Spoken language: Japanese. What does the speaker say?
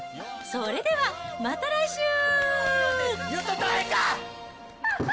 それではまた来週。